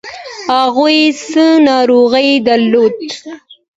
هغوی څه ناروغي درلوده؟